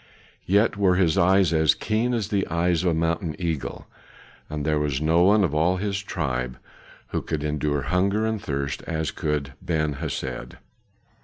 Yet were his eyes as keen as the eyes of a mountain eagle, and there was no one of all his tribe who could endure hunger and thirst as could Ben Hesed.